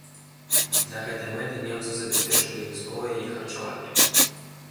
Для гэтай мэты немцы забяспечылі іх зброяй і харчаваннем.